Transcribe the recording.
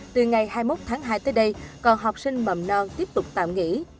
từ ngày hai mươi một tháng hai tới đây còn học sinh mầm non tiếp tục tạm nghỉ